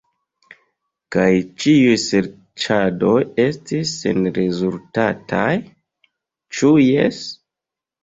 Kaj ĉiuj serĉadoj estis senrezultataj; ĉu jes?